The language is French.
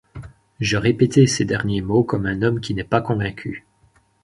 Je répétai ces derniers mots comme un homme qui n’est pas convaincu.